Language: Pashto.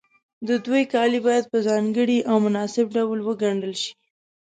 د دوی کالي باید په ځانګړي او مناسب ډول وګنډل شي.